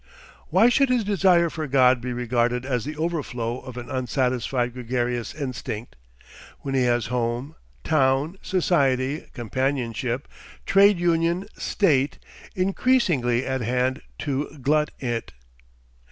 Why should his desire for God be regarded as the overflow of an unsatisfied gregarious instinct, when he has home, town, society, companionship, trade union, state, INCREASINGLY at hand to glut it?